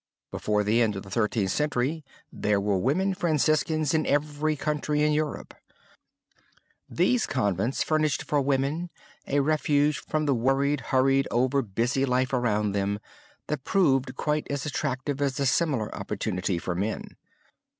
Before the end of the Thirteenth Century there were women Franciscans in every country in Europe. These convents furnished for women a refuge from the worried, hurried, over busy life around them that proved quite as attractive as the similar opportunity for the men.